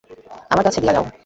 আমার কাছে কথা দিয়া যাও।